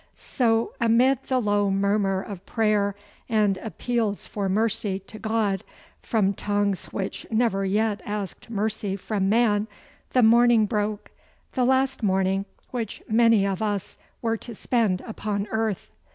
So amid the low murmur of prayer and appeals for mercy to God from tongues which never yet asked mercy from man, the morning broke, the last morning which many of us were to spend upon earth.